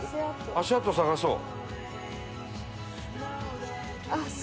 足跡探そう。